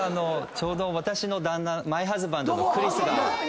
ちょうど私の旦那マイハズバンドの。